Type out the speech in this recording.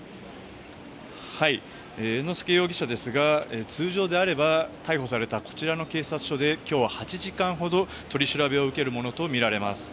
猿之助容疑者ですが通常であれば、逮捕されたこちらの警察署で今日は８時間ほど取り調べを受けるものとみられます。